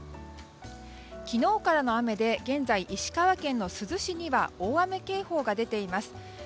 昨日からの雨で現在、石川県の珠洲市には大雨警報が出ています。